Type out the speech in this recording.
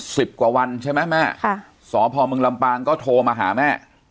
สิบกว่าวันใช่ไหมแม่ค่ะสพมลำปางก็โทรมาหาแม่